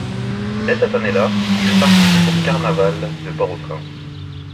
Dès cette année-là, il participe au carnaval de Port-au-Prince.